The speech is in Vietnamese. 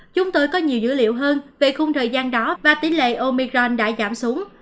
chúng tôi có nhiều dữ liệu hơn về khung thời gian đó và tỷ lệ omicron đã giảm xuống